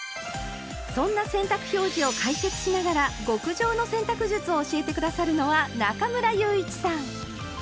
そんな洗濯表示を解説しながら極上の洗濯術を教えて下さるのは中村祐一さん。